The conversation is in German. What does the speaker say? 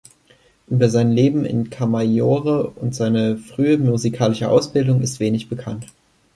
Über sein Leben in Camaiore und seine frühe musikalische Ausbildung ist wenig bekannt.